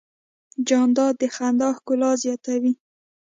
جانداد د خندا ښکلا زیاتوي.